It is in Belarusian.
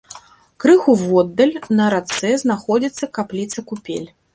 Крыху воддаль на рацэ знаходзіцца капліца-купель.